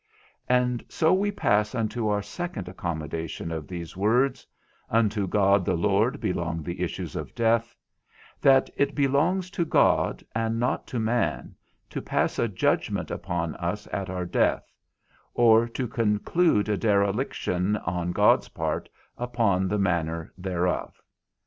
And so we pass unto our second accommodation of these words (unto God the Lord belong the issues of death); that it belongs to God, and not to man, to pass a judgment upon us at our death, or to conclude a dereliction on God's part upon the manner thereof.